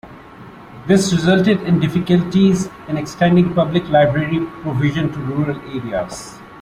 This resulted in difficulties in extending public library provision to rural areas.